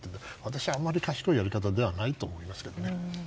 私は賢いやり方ではないと思いますけどね。